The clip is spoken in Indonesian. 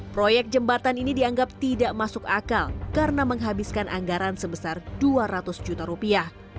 proyek jembatan ini dianggap tidak masuk akal karena menghabiskan anggaran sebesar dua ratus juta rupiah